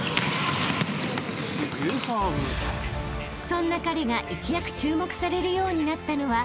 ［そんな彼が一躍注目されるようになったのは］